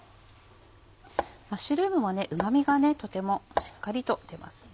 マッシュルームもうま味がとてもしっかりと出ますね。